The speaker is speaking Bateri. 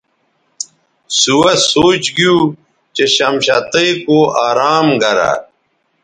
سوہسوچ گیو چہ شمشتئ کو ارام گرہ